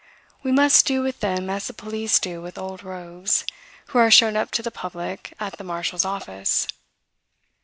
We must do with them as the police do with old rogues, who are shown up to the public at the marshal's office.